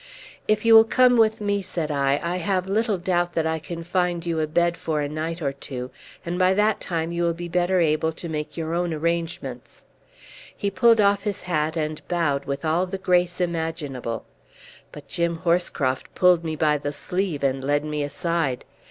"If you will come with me," said I, "I have little doubt that I can find you a bed for a night or two, and by that time you will be better able to make your own arrangements." He pulled off his hat, and bowed with all the grace imaginable. But Jim Horscroft pulled me by the sleeve, and led me aside.